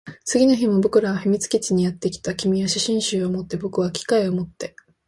次の日も僕らは秘密基地にやってきた。君は写真集を持って、僕は機械を持って。